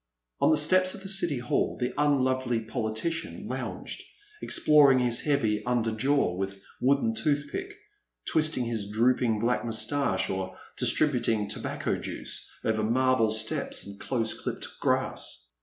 On the steps of the City Hall the unlovely poli tician lounged, exploring his heavy under jaw with wooden toothpick, twisting his drooping black moustache, or distributing tobacco juice over marble steps and close clipped grass.